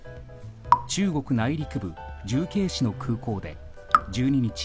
中国内陸部重慶市の空港で１２日